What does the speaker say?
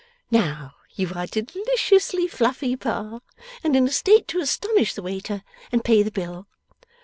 Now you are deliciously fluffy, Pa, and in a state to astonish the waiter and pay the bill.